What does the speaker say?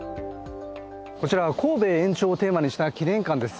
こちらは、抗米援朝をテーマにした記念館です。